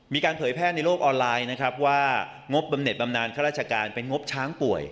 เผยแพร่ในโลกออนไลน์นะครับว่างบบำเน็ตบำนานข้าราชการเป็นงบช้างป่วย